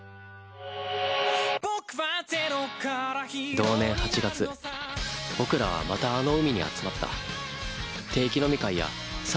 同年８月僕らはまたあの海に集まった。